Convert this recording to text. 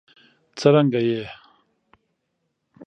څرنګه یې؟